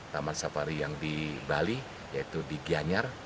taman safari yang di bali yaitu di gianyar